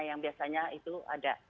yang biasanya itu ada